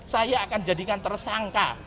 saya akan dijadikan tersangka